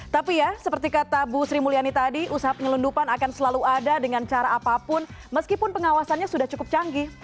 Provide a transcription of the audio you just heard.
tapi ya seperti kata bu sri mulyani tadi usaha penyelundupan akan selalu ada dengan cara apapun meskipun pengawasannya sudah cukup canggih